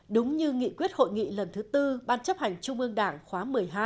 đúng như nghị quyết hội nghị lần thứ tư ban chấp hành trung ương đảng khóa một mươi hai